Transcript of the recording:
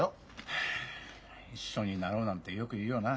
はあ「一緒になろう」なんてよく言うよな。